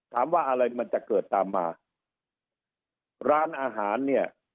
ถามว่าอะไรมันจะเกิดตามมาร้านอาหารเนี่ย